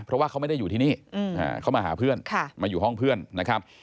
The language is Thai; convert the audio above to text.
เพราะว่าเขาไม่ได้อยู่ที่นี่เขามาหาเพื่อนมาอยู่ห้องเพื่อนนะครับ